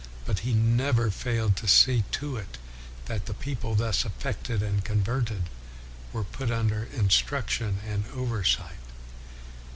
But he never failed to see to it that the people thus affected and converted were put under in struction and oversight.